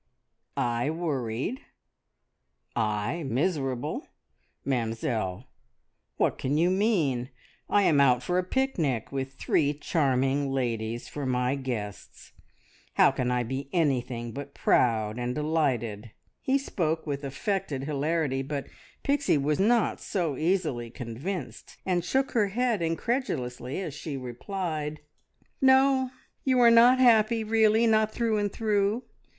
"I worried! I miserable! Mamzelle, what can you mean? I am out for a picnic, with three charming ladies for my guests. How can I be anything but proud and delighted?" He spoke with affected hilarity; but Pixie was not so easily convinced, and shook her head incredulously as she replied "No you are not happy, really not through and through!